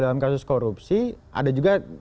dalam kasus korupsi ada juga